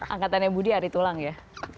angkatannya budi hari tulang ya